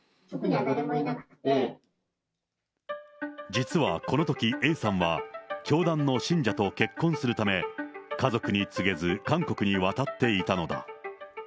実はこのときＡさんは、教団の信者と結婚するため、家族に告げず、韓国に渡っていたのだ。